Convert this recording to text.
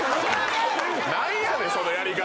何やねんそのやり方！